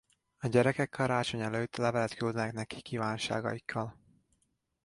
A gyerekek karácsony előtt levelet küldenek neki kívánságaikkal.